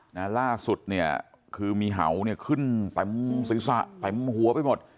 ล่าสุดเนี่ยคือมีเห่าเนี่ยขึ้นเต็มศีรษะเต็มหัวไปหมด